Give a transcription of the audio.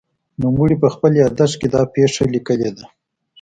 نوموړي په خپل یادښت کې دا پېښه لیکلې ده.